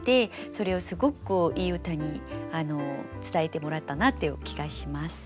それをすごくいい歌に伝えてもらったなっていう気がします。